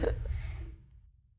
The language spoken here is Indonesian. comotra beripu tau gak